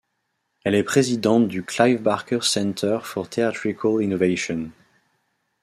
Elle est présidente du Clive Barker Centre for Theatrical Innovation.